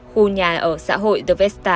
khu nhà ở xã hội the vesta